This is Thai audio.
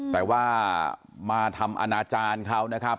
แต่ว่ามาทำอนาจารย์เขานะครับ